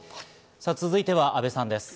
続いては阿部さんです。